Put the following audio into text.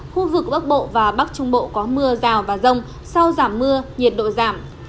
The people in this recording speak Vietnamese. khu vực bắc bộ và bắc trung bộ có mưa rào và rông sau giảm mưa nhiệt độ giảm